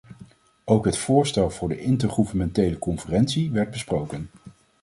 Ook het voorstel voor de intergouvernementele conferentie werd besproken.